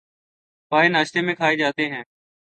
پائے ناشتے میں کھائے جاتے ہیں